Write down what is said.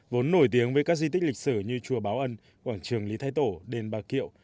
vốn nổi tiếng với các di tích lịch sử như chùa báo ân quảng trường lý thái tổ đền bà kiệu